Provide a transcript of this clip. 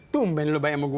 tumben lo bayamu gue